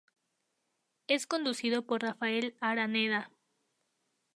Es conducido por Rafael Araneda.